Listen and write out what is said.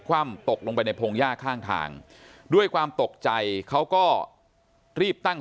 ว่ำตกลงไปในพงหญ้าข้างทางด้วยความตกใจเขาก็รีบตั้ง